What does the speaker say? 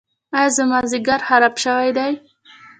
ایا زما ځیګر خراب شوی دی؟